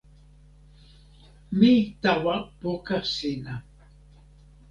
mi tawa poka sina.